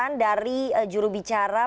kenapa agama ini tidak menjadi rencananya